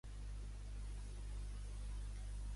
Hi havia alguna altra persona suspecta?